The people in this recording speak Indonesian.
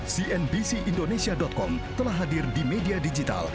cnbc indonesia com telah hadir di media digital